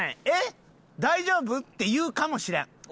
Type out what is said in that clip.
「えっ！大丈夫？」って言うかもしれん。